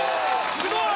すごい！